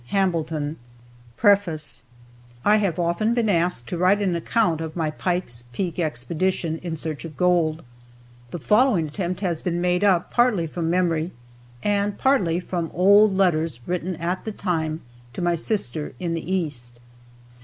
HAMBLETON CHICAGO PRINTED FOR PRIVATE CIRCULATION 1898 I have often been asked to write an account of my Pike's Peak Expedition in search of gold. The following attempt has been made up partly from memory and partly from old letters written at the time to my sister in the east.